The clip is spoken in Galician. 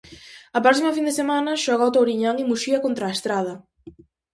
A próxima fin de semana xoga o Touriñán en Muxía contra A Estrada.